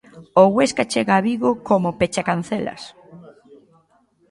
O Huesca chega a Vigo como pechacancelas.